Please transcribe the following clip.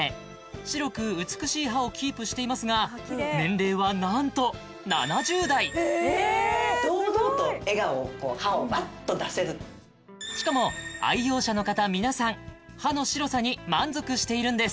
白く美しい歯をキープしていますが年齢は何と７０代歯をバッと出せるしかも愛用者の方皆さん歯の白さに満足しているんです